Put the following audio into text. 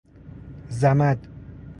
ضمد